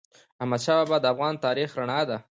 احمدشاه بابا د افغان تاریخ رڼا ده.